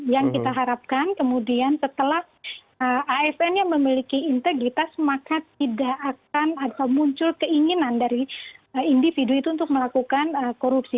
yang kita harapkan kemudian setelah asn nya memiliki integritas maka tidak akan atau muncul keinginan dari individu itu untuk melakukan korupsi